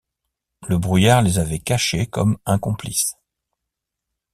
Le brouillard les avait cachées comme un complice.